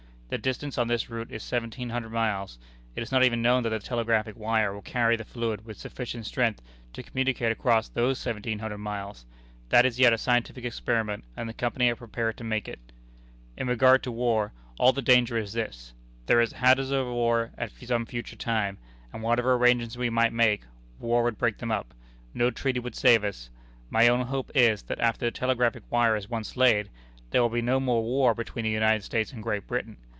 The distance on this route is seventeen hundred miles. It is not even known that the telegraphic wire will carry the fluid with sufficient strength to communicate across those seventeen hundred miles. That is yet a scientific experiment, and the Company are prepared to make it. "In regard to war, all the danger is this: There is a hazard of war at some future time, and whatever arrangements we might make, war would break them up. No treaty would save us. My own hope is, that after the telegraphic wire is once laid, there will be no more war between the United States and Great Britain.